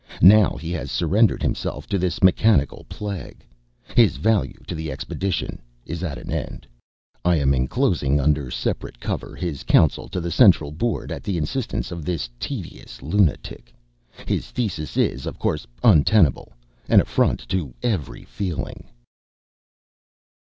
Now he has surrendered himself to this mechanical plague. His value to the expedition is at an end. I am enclosing under separate cover his counsel to the Central Board at the insistence of this tedious lunatic. His thesis is, of course, untenable an affront to every feeling.